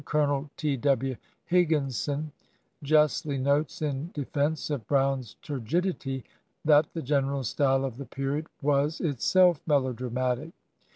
Colonel T. W. Higginson justly notes in defence»of Brown's turgidity that " the general style of the period ... was itself melodramatic.